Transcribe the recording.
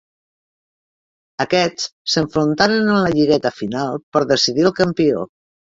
Aquests s'enfrontaren en la lligueta final per decidir el campió.